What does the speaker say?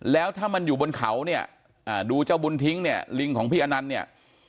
แล้วถ้ามันอยู่บนเขาเนี่ยดูเจ้าบุญทิ้งเนี่ยลิงของพี่อนันต์เนี่ย